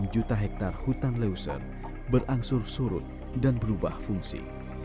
enam juta hektare hutan leuser berangsur surut dan berubah fungsi